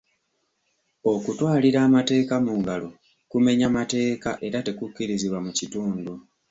Okutwalira amateeka mu ngalo kumenya mateeka era tekukkirizibwa mu kitundu.